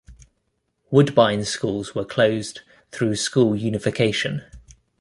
Woodbine schools were closed through school unification.